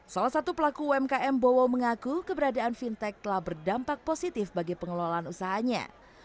salah satu pelaku umkm bowo mengaku keberadaan fintech telah berdampak positif bagi pengelolaan usahanya